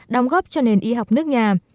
đóng góp cho nền y học nước nhà